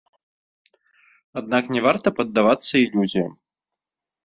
Аднак не варта паддавацца ілюзіям.